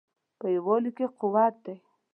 په یووالي کې قوت دی